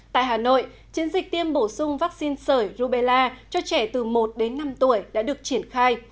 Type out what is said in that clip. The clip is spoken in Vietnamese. tại hà nội chiến dịch tiêm bổ sung vaccine sởi rubella cho trẻ từ một đến năm tuổi đã được triển khai